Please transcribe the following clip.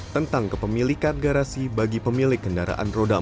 tentang kepemilikan garasi bagi pemilik kendaraan roda empat